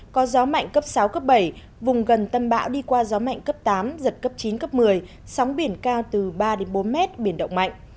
có gió mạnh cấp sáu cấp bảy vùng gần tâm bão đi qua gió mạnh cấp tám giật cấp chín cấp một mươi sóng biển cao từ ba bốn mét biển động mạnh